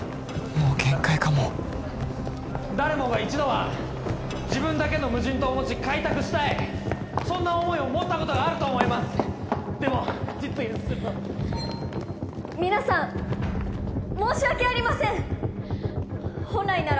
もう限界かも誰もが一度は自分だけの無人島を持ち開拓したいそんな思いを持ったことがあると思いますでも実現する皆さん申し訳ありません本来なら